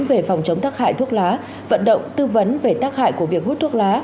về phòng chống tắc hại thuốc lá vận động tư vấn về tác hại của việc hút thuốc lá